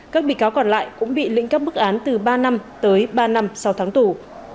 các bị cáo còn lại cũng bị lĩnh cấp bức án từ ba năm tới ba năm sau tháng tù